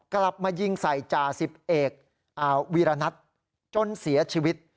กลับมายิงใส่จ่าสิบเอกวีรณัทจนเสียชีวิต